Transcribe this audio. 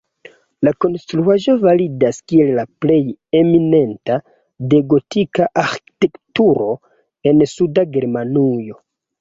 La konstruaĵo validas kiel la plej eminenta de gotika arĥitekturo en suda Germanujo.